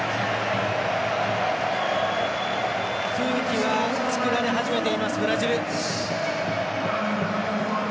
空気は作られ始めていますブラジル。